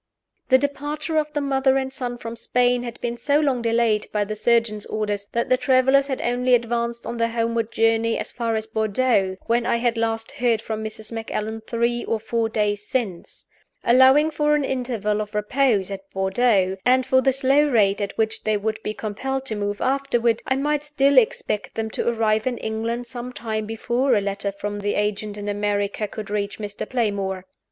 The departure of the mother and son from Spain had been so long delayed, by the surgeon's orders, that the travelers had only advanced on their homeward journey as far as Bordeaux, when I had last heard from Mrs. Macallan three or four days since. Allowing for an interval of repose at Bordeaux, and for the slow rate at which they would be compelled to move afterward, I might still expect them to arrive in England some time before a letter from the agent in America could reach Mr. Playmore.